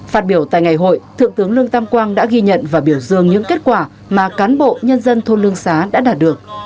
phát biểu tại ngày hội thượng tướng lương tam quang đã ghi nhận và biểu dương những kết quả mà cán bộ nhân dân thôn lương xá đã đạt được